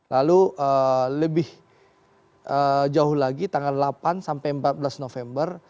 lalu lebih jauh lagi tanggal delapan sampai empat belas november